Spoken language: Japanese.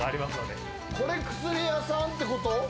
これ薬屋さんってこと？